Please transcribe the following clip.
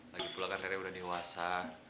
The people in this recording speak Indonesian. lagipula kan rere udah dewasa